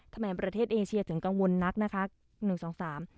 ประเทศเอเชียถึงกังวลนักนะคะหนึ่งสองสาม